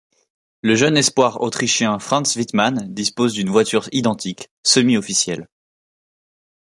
Le jeune espoir autrichien Franz Wittmann dispose d'une voiture identique, semi-officielle.